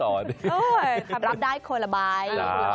คำรับได้คนละใบ